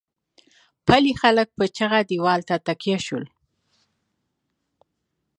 پلې خلک په چيغه دېوال ته تکيه شول.